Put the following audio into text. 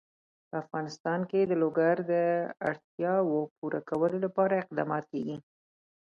په افغانستان کې د لوگر د اړتیاوو پوره کولو لپاره اقدامات کېږي.